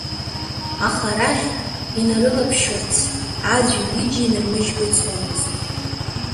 Аха арахь инарылаԥшырц аӡәи ҩыџьеи нырмыжькәа ицомызт.